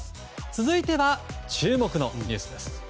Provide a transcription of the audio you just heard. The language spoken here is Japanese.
続いては、注目のニュースです。